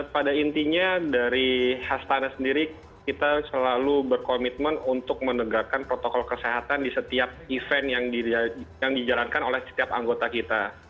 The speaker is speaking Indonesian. pada intinya dari hastana sendiri kita selalu berkomitmen untuk menegakkan protokol kesehatan di setiap event yang dijalankan oleh setiap anggota kita